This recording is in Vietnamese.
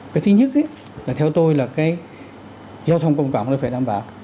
cái thứ nhất là theo tôi là cái giao thông công cộng nó phải đảm bảo